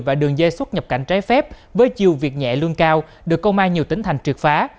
và đường dây xuất nhập cảnh trái phép với chiều việc nhẹ lương cao được công an nhiều tỉnh thành triệt phá